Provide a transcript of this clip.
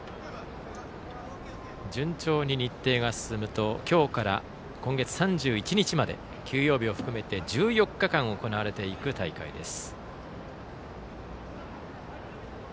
順調に日程が進むと今日から今月３１日まで休養日を含めて１４日間行われていく大会です。